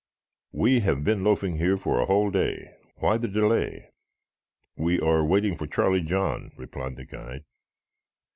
"We have been loafing here for a whole day. Why the delay?" "We are waiting for Charlie John," replied the guide.